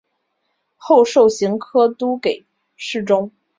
后授刑科都给事中。